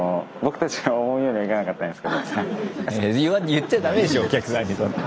言っちゃ駄目でしょお客さんにそんな。